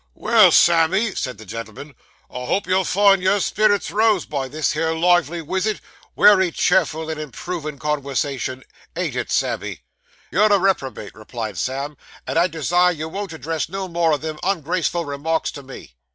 'Well, Sammy,' said the gentleman, 'I hope you'll find your spirits rose by this here lively wisit. Wery cheerful and improvin' conwersation, ain't it, Sammy?' 'You're a reprobate,' replied Sam; 'and I desire you won't address no more o' them ungraceful remarks to me.